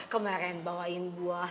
kemarin bawain buah